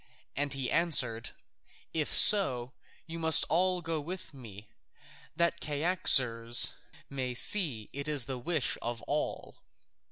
And he answered, "If so, you must all go with me, that Cyaxares may see it is the wish of all."